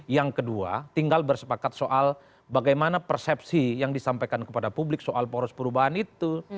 yang kedua tinggal bersepakat soal bagaimana persepsi yang disampaikan kepada publik soal poros perubahan itu